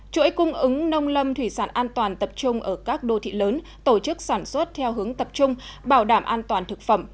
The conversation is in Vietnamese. chuỗi cung ứng nông lâm thủy sản an toàn tập trung ở các đô thị lớn tổ chức sản xuất theo hướng tập trung bảo đảm an toàn thực phẩm